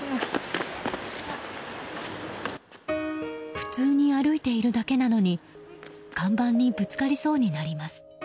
普通に歩いているだけなのに看板にぶつかりそうになります。